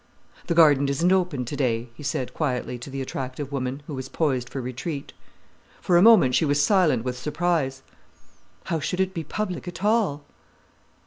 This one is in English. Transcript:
"The garden isn't open today," he said quietly to the attractive woman, who was poised for retreat. For a moment she was silent with surprise. How should it be public at all?